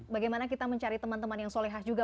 bagaimana kita mencari teman teman yang solehah juga